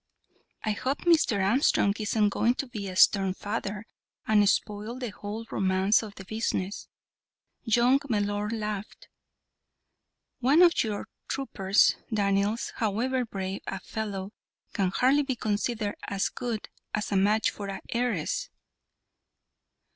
"I hope Mr. Armstrong isn't going to be a stern father, and spoil the whole romance of the business," young Mellor laughed. "One of your troopers, Daniels, however brave a fellow, can hardly be considered as a good match for an heiress."